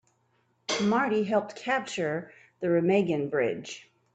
Marty helped capture the Remagen Bridge.